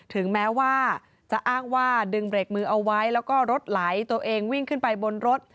ถึงแม้ว่าจะอ้างว่าดึงเบรกมือเอาไว้แล้วก็รถไหลตัวเองวิ่งขึ้นไปบนรถ